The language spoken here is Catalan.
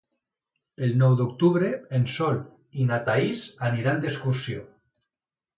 El nou d'octubre en Sol i na Thaís aniran d'excursió.